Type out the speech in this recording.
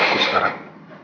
lihat aku sekarang